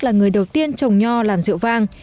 là người đầu tiên trồng nho làm rượu vang